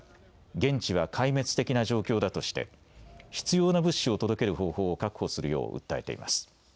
現地は壊滅的な状況だとして必要な物資を届ける方法を確保するよう訴えています。